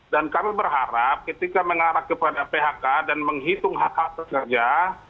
dan kami berharap ketika mengarah kepada phk dan menghitung hak hak pekerja